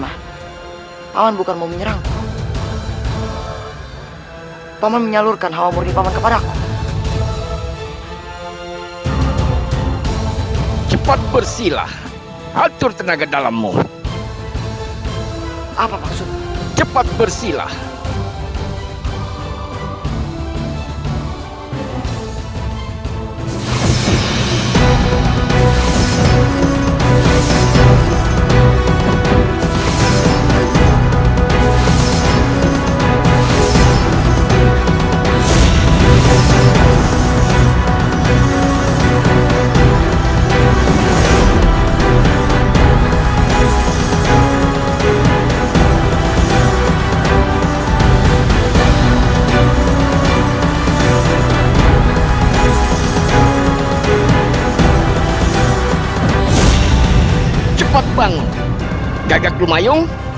ketika aku percaya tuhan aku tidak akan menyerangmu